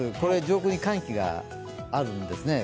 上空に寒気があるんですね。